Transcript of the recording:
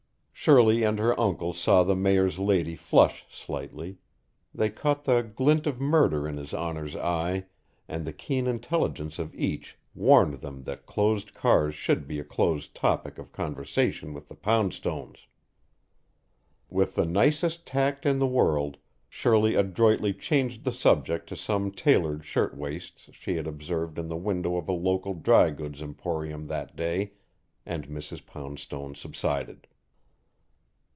Shirley and her uncle saw the Mayor's lady flush slightly; they caught the glint of murder in His Honour's eye; and the keen intelligence of each warned them that closed cars should be a closed topic of conversation with the Poundstones. With the nicest tact in the world, Shirley adroitly changed the subject to some tailored shirt waists she had observed in the window of a local dry goods emporium that day, and Mrs. Poundstone subsided.